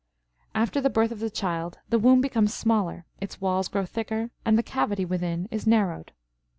After the birth of the child the womb becomes smaller, its walls grow thicker, and the cavity within is narrowed.